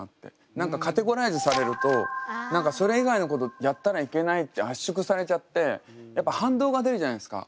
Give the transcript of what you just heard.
何かカテゴライズされるとそれ以外のことやったらいけないって圧縮されちゃってやっぱ反動が出るじゃないですか。